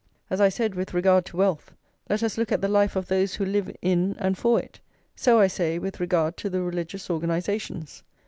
As I said with regard to wealth, let us look at the life of those who live in and for it; so I say with regard to the religious organisations.